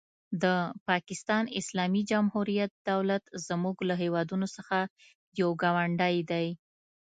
د پاکستان اسلامي جمهوري دولت زموږ له هېوادونو څخه یو ګاونډی دی.